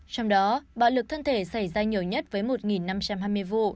trong đó bạo lực thân thể xảy ra nhiều nhất với một năm trăm hai mươi vụ